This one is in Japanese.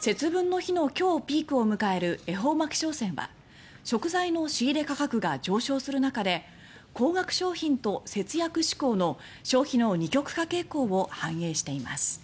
節分の日の今日、ピークを迎える恵方巻き商戦は食材の仕入れ価格が上昇する中で高額商品と節約志向の消費の二極化傾向を反映しています。